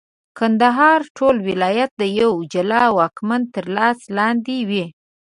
کندهار ټول ولایت د یوه جلا واکمن تر لاس لاندي وي.